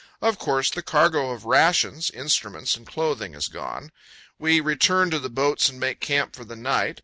Of course, the cargo of rations, instruments, and clothing is gone. We return to the boats and make camp for the night.